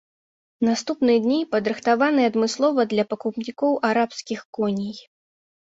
Наступныя дні падрыхтаваныя адмыслова для пакупнікоў арабскіх коней.